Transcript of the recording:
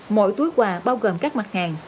mỗi túi quà bao gồm các mặt hàng